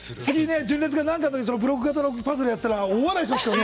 純烈がブロック型のパズルやってたら大笑いしますからね！